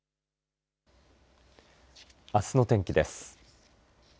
あすの天気です。